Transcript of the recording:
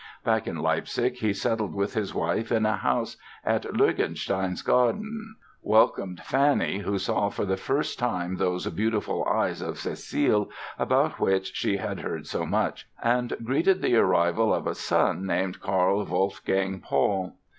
Back in Leipzig he settled with his wife in a house in Lurgenstein's Garden, welcomed Fanny, who saw for the first time those "beautiful eyes" of Cécile, about which she had heard so much, and greeted the arrival of a son, named Carl Wolfgang Paul.